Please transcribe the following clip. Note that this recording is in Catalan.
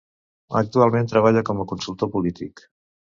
Actualment treballa com a consultor polític.